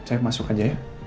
saya masuk aja ya